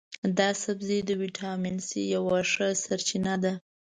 دا سبزی د ویټامین سي یوه ښه سرچینه ده.